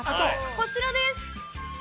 こちらです。